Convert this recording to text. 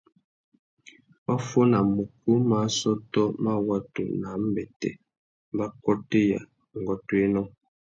Wa fôna mukú má assôtô má watu nà ambêtê, mbakôtéya, ngôtōénô.